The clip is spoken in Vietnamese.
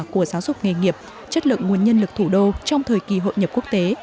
của giáo dục nghề nghiệp chất lượng nguồn nhân lực thủ đô trong thời kỳ hội nhập quốc tế